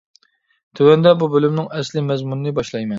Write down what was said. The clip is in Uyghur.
تۆۋەندە بۇ بۆلۈمنىڭ ئەسلى مەزمۇنىنى باشلايمەن.